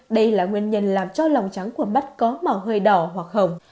đây là nguyên nhân làm cho lòng trắng của mắt có màu hơi đỏ hoặc hồng